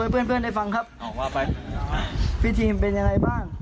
เพื่อนเพื่อนได้ฟังครับว่าไปพี่ทีมเป็นยังไงบ้าง